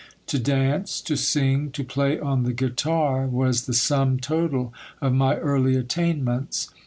To dance, to sing, to play on the guitar, was the sum total of my early attainments.